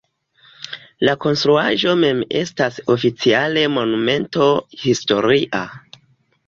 La konstruaĵo mem estas oficiale Monumento historia.